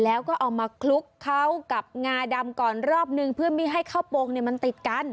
แล้วก็เอามาคลุกเข้ากับงาดำก่อนรอบนึงเพื่อไม่ให้ข้าวโปรงเนี่ยมันติดกัน